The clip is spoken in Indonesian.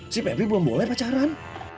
si pebri belum boleh pacaran